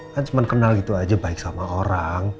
kan cuma kenal gitu aja baik sama orang